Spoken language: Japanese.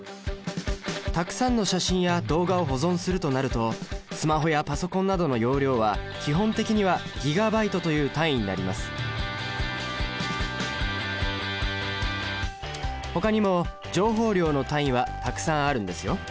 たくさんの写真や動画を保存するとなるとスマホやパソコンなどの容量は基本的にはギガバイトという単位になりますほかにも情報量の単位はたくさんあるんですよ。